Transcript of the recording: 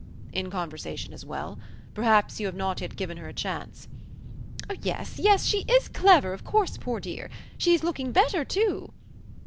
"In conversation as well. Perhaps you have not yet given her a chance." "Yes, yes, she is clever, of course, poor dear. She is looking better too."